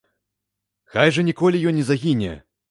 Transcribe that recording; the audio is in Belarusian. Хай жа ніколі ён не загіне!